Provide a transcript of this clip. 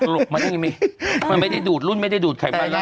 รุ่นไม่ได้ดูดใครไปพัก